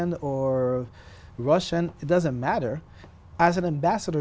nếu chúng ta phải đi